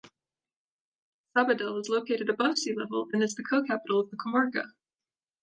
Sabadell is located above sea level and is the co-capital of the "comarca".